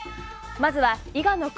まずは伊賀の国